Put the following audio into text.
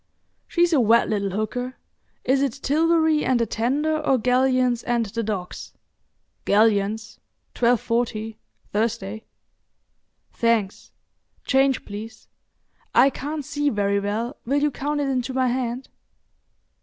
"She's a wet little hooker. Is it Tilbury and a tender, or Galleons and the docks?" "Galleons. Twelve forty, Thursday." "Thanks. Change, please. I can't see very well—will you count it into my hand?"